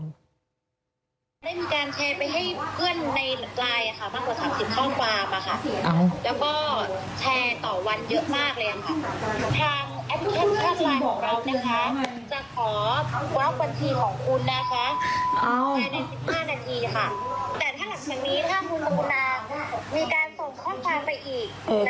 อย่างนี้ถ้าคุณสุขุณามีการส่งข้อคำไปอีก